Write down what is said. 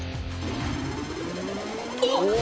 おっ！